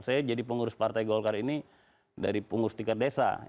saya jadi pengurus partai golkar ini dari pengurus tingkat desa